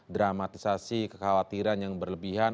dramatisasi kekhawatiran yang berlebihan